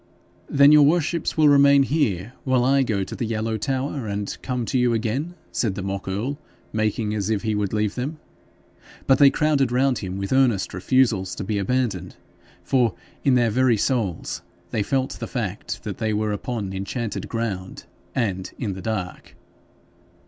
'Then your worships will remain here while I go to the Yellow Tower, and come to you again?' said the mock earl, making as if he would leave them. But they crowded round him with earnest refusals to be abandoned; for in their very souls they felt the fact that they were upon enchanted ground and in the dark.